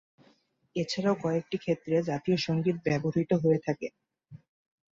এছাড়াও কয়েকটি ক্ষেত্রে জাতীয় সংগীত ব্যবহৃত হয়ে থাকে।